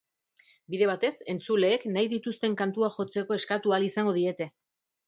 Bide batez, entzuleek nahi dituzten kantuak jotzeko eskatu ahal izango diete.